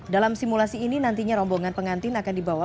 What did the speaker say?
dalam simulasi ini nantinya rombongan pengantin akan dibawa